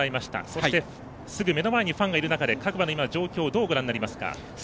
そして、すぐ前にファンがいる中で各馬の状況どうご覧になりますか？